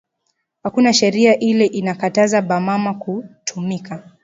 Akuna sheria ile ina kataza ba mama ku tumika